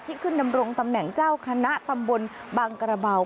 ขึ้นดำรงตำแหน่งเจ้าคณะตำบลบางกระเบา